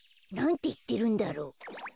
なんていってるんだろう？